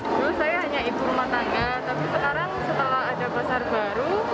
dulu saya hanya ibu rumah tangga tapi sekarang setelah ada pasar baru